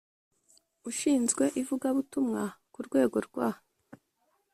ushinzwe ivugabutumwa ku rwego rwa